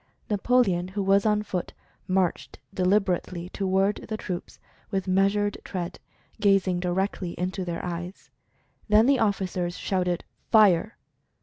Napoleon, who was on foot, marched delib erately toward the troops, with measured tread, gaz ing directly into their eyes. Then the officers shouted, "Fire!"